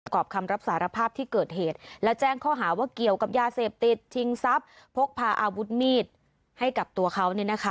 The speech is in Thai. ประกอบคำรับสารภาพที่เกิดเหตุและแจ้งข้อหาว่าเกี่ยวกับยาเสพติดชิงทรัพย์พกพาอาวุธมีดให้กับตัวเขา